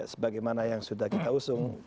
sebagaimana yang sudah kita usung